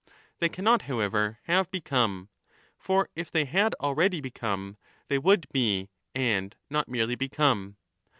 They cannot, however, have become ; for if they had already become they would be and not merely become.